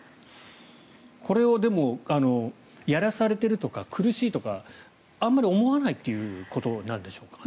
これをやらされているとか苦しいとかあまり思わないということなんでしょうかね？